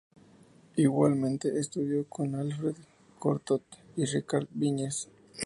Igualmente estudió con Alfred Cortot y Ricard Viñes.